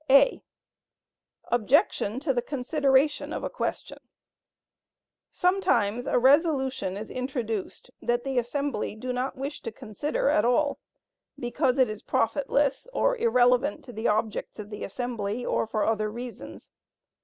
(a) Objection to the consideration of a question. Sometimes a resolution is introduced that the assembly do not wish to consider at all, because it is profitless, or irrelevant to the objects of the assembly, or for other reasons.